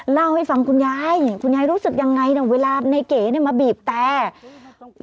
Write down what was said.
เล่าให้ฟังคุณยายคุณยายรู้สึกยังไงนะเวลาในเก๋มาบีบแตรง